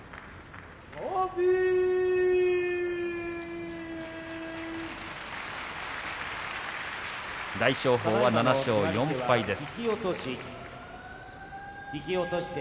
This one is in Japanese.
大翔鵬は７勝４敗です。